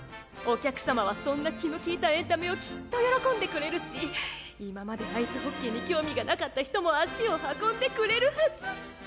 お客様はそんな気の利いたエンタメをきっと喜んでくれるし今までアイスホッケーに興味がなかった人も足を運んでくれるはず！